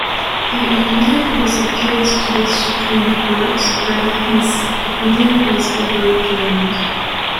The opinion was appealed to the supreme court, where his opinion was overturned.